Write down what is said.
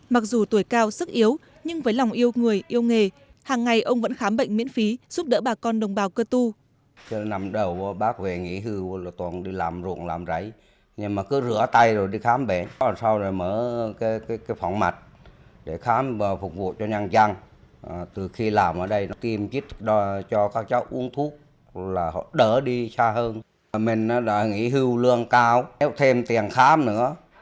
mặc dù tuổi cao sức yếu nhưng với lòng yêu người yêu nghề hàng ngày ông vẫn khám bệnh miễn phí giúp đỡ bà con đồng bào cơ tu